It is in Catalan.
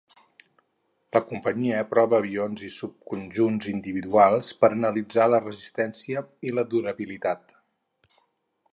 La companyia prova avions i subconjunts individuals per analitzar la resistència i la durabilitat.